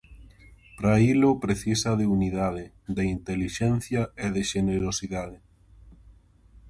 Para ilo precisa de unidade, de intelixencia e de xenerosidade.